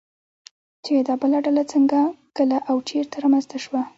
چې دا ډله څنگه، کله او چېرته رامنځته شوه